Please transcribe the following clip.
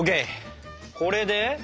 これで？